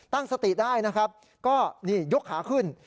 ตั้งสติได้นะครับก็นี่ยกขาขึ้น